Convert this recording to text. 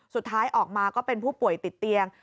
สุดท้ายออกมาก็เป็นผู้ป่วยติดเตียง